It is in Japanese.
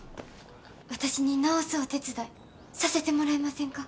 私に直すお手伝いさせてもらえませんか。